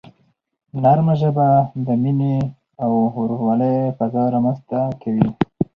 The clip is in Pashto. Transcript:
نرمه ژبه د مینې او ورورولۍ فضا رامنځته کوي.